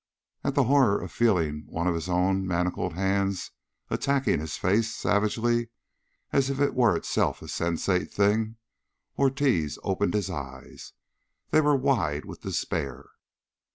At the horror of feeling one of his own manacled hands attacking his face savagely as if it were itself a sensate thing, Ortiz opened his eyes. They were wide with despair.